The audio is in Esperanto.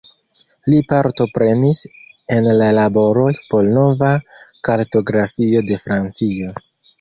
Li partoprenis en la laboroj por nova kartografio de Francio.